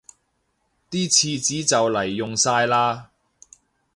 啲廁紙就黎用晒喇